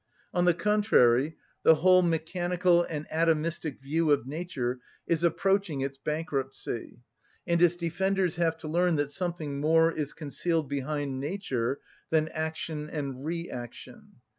On the contrary, the whole mechanical and atomistic view of nature is approaching its bankruptcy, and its defenders have to learn that something more is concealed behind nature than action and reaction.